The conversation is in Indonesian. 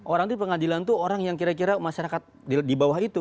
orang di pengadilan itu orang yang kira kira masyarakat di bawah itu